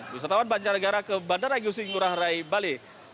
wisatawan mancanegara ke bandara ngurah rai bali